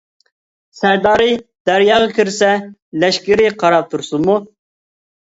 سەردارى دەرياغا كىرسە لەشكىرى قاراپ تۇرسۇنمۇ؟ !